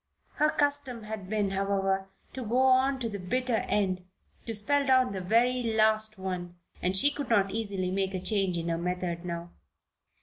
Her custom had been, however, to go on to the bitter end to spell down the very last one, and she could not easily make a change in her method now.